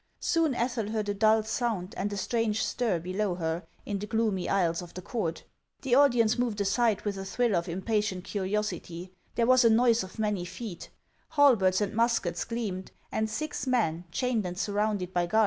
Soon Ethel heard a dull sound and a strange stir below her, in the gloomy aisles of the court ; the audience moved aside with a thrill of impatient curiosity there was a noise of many feet ; halberds and muskets gleamed, and six men, chained and surrounded by guards, entered the room bareheaded.